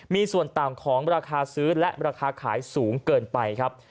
มีส่วนต่างของราคาซื้อและราคาขายสูงเกินไปครับ